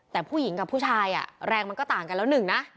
แต่ผู้หญิงกับผู้ชายแรงมันก็ต่างกันแล้วหนึ่งนะ